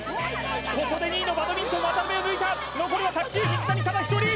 ここで２位のバドミントン渡辺を抜いた残りは卓球水谷ただ一人！